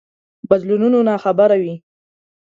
بدلونونو ناخبره وي.